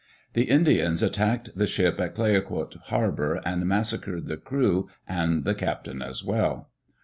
The Indians attacked the ship at Clayoquot harbor and massacred the crew and the captain as well.